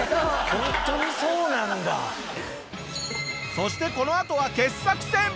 そしてこのあとは傑作選！